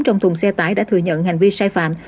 trong thùng xe tải đã thừa nhận hành vi sai phạm